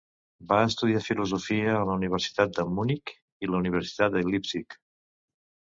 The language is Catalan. Va estudiar filosofia a la Universitat de Munic i la Universitat de Leipzig.